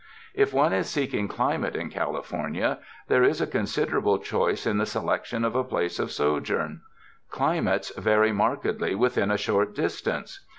If one is seeking climate in California there is a considerable choice in the selection of a place of sojourn. Climates vary markedly within a short distance.